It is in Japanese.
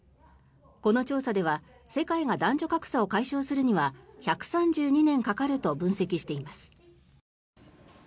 この調査では世界が男女格差を解消するには１３２年かかると分析しています。